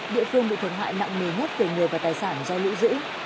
địa phương bị thiệt hại nặng nề nhất về người và tài sản do lũ dữ